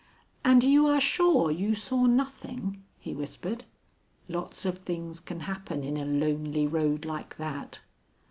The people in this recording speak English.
"And you are sure you saw nothing?" he whispered. "Lots of things can happen in a lonely road like that."